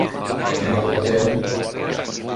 En ole tehnyt.